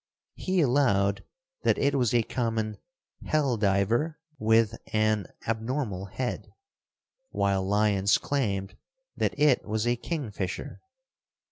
He allowed that it was a common "hell diver with an abnormal head," while Lyons claimed that it was a kingfisher.